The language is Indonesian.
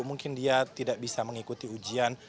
mungkin dia tidak bisa mengikuti ujian